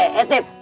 eh eh eh tip